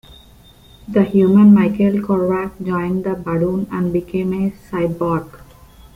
The human Michael Korvac, joined the Badoon and became a cyborg.